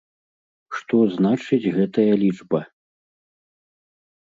Што значыць гэтая лічба?